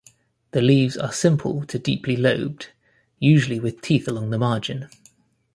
The leaves are simple to deeply lobed, usually with teeth along the margin.